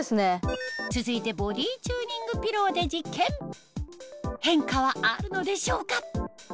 続いてボディーチューニングピローで実験変化はあるのでしょうか？